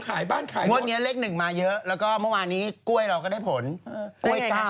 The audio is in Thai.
กลัวตรงนี้ละเลข๑มาเยอะแล้วก็เมื่อวานี้ก้วยเราก็ได้ผลก้วย๙ไง๙